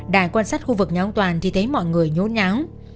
đại quan sát khu vực nhà ông toàn thì thấy mọi người nhốt nháo